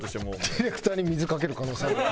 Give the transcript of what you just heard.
ディレクターに水かける可能性ある。